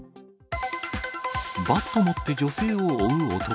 バット持って女性を追う男。